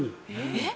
えっ？